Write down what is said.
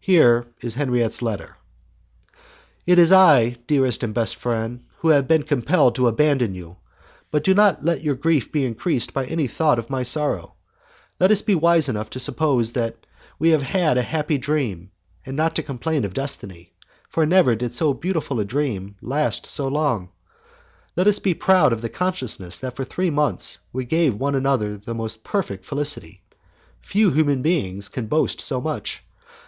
Here is Henriette's letter "It is I, dearest and best friend, who have been compelled to abandon you, but do not let your grief be increased by any thought of my sorrow. Let us be wise enough to suppose that we have had a happy dream, and not to complain of destiny, for never did so beautiful a dream last so long! Let us be proud of the consciousness that for three months we gave one another the most perfect felicity. Few human beings can boast of so much!